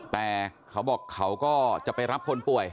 แต่เขาบอกเขาก็จะไปรับคนป่วย